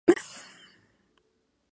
Rotten Tomatoes